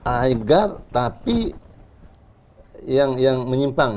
agar tapi yang menyimpang